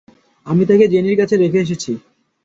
আমি তাকে জেনির কাছে রেখে এসেছি।